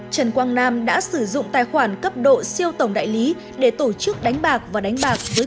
trần quang nam đã sử dụng tài khoản cấp độ siêu tổng đại lý để tổ chức đánh bạc và đánh bạc dưới